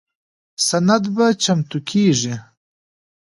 سند به چمتو کیږي.